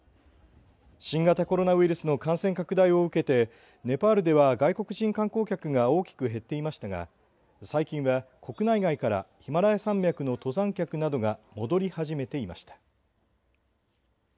新型コロナウイルスの感染拡大を受けてネパールでは外国人観光客が大きく減っていましたが最近は国内外からヒマラヤ山脈の登山客などが戻り始めていました。